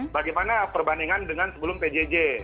bagaimana perbandingan dengan sebelum pjj